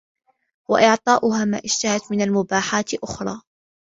وَإِعْطَاؤُهَا مَا اشْتَهَتْ مِنْ الْمُبَاحَاتِ أَحْرَى